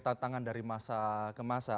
tantangan dari masa ke masa